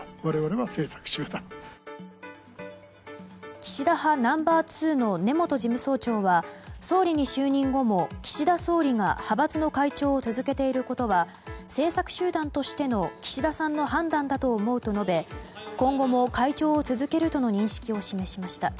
岸田派ナンバー２の根本事務総長は総理に就任後も岸田総理が派閥の会長を続けていることは政策集団としての岸田さんの判断だと思うと述べ今後も会長を続けるとの認識を示しました。